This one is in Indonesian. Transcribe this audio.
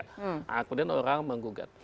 kemudian orang menggugat